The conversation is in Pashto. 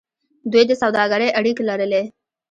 دوی د سوداګرۍ اړیکې لرلې.